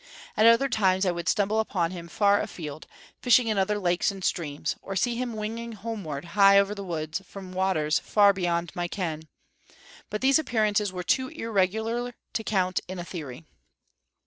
At other times I would stumble upon him far afield, fishing in other lakes and streams; or see him winging homeward, high over the woods, from waters far beyond my ken; but these appearances were too irregular to count in a theory.